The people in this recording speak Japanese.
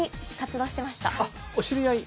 あっお知り合い？